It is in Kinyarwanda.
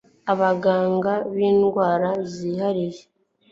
abaganga b indwara zihariye